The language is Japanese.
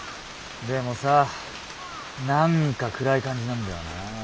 でもさ何か暗い感じなんだよな。